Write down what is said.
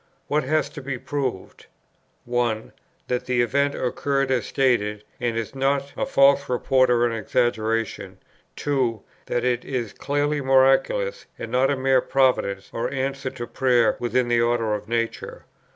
What has to be proved? (1.) That the event occurred as stated, and is not a false report or an exaggeration. (2.) That it is clearly miraculous, and not a mere providence or answer to prayer within the order of nature.